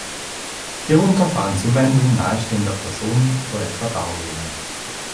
Hierunter fallen Zuwendungen nahestehender Personen oder etwa Darlehen.